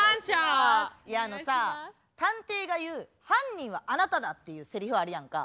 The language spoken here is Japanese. いやあのさ探偵が言う「犯人はあなただ」っていうせりふあるやんか。